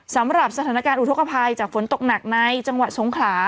สำหรับสถานการณ์อุทธกภัยจากฝนตกหนักในจังหวัดสงขลา